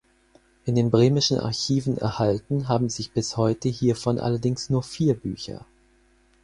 In den bremischen Archiven erhalten haben sich bis heute hiervon allerdings nur vier Bücher.